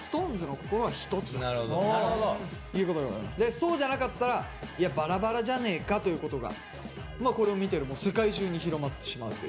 そうじゃなかったらバラバラじゃねえかということがこれを見てる世界中に広まってしまうという。